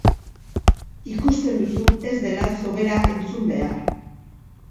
Ikusten duzu ez dela sobera entzun behar!